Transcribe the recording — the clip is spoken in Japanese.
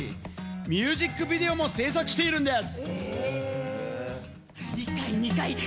ミュージックビデオも制作しているんです。